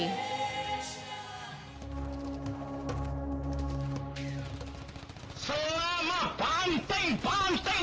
ketik liputan berikut ini